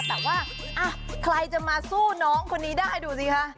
แต่ว่าใครจะมาสู้น้องคนนี้ได้ดูสิคะ